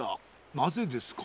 なぜですか？